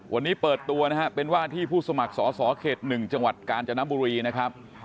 วันนี้เปิดตัวนะฮะเป็นว่าที่ผู้สมัครสอสอเขต๑จังหวัดกาญจนบุรีนะครับ